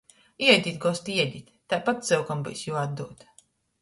Ēdit gosti, ēdit, taipat cyukom byus juoatdūd!